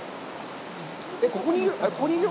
ここにいる？